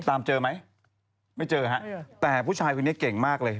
ตามเจอไหมไม่เจอฮะแต่ผู้ชายคนนี้เก่งมากเลย